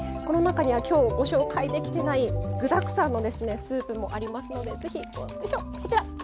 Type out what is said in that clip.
この中には今日ご紹介できてない具だくさんのスープもありますのでこちら